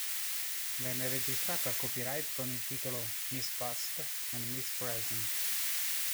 Venne registrato al copyright con il titolo "Miss Past and Miss Present".